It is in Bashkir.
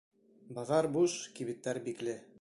Баҙар буш, кибеттәр бикле.